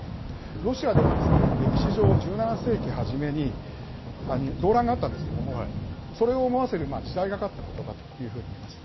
ロシアでは歴史上、１７世紀初めに動乱があったんですけれども、それを思わせる時代がかったことばというふうにいえます。